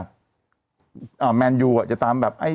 ประโยชน์นี้จะตามแบบ